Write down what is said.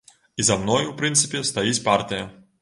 І за мной, у прынцыпе, стаіць партыя.